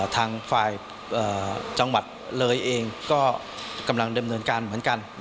ทางฝ่ายจังหวัดเลยเองก็กำลังดำเนินการเหมือนกัน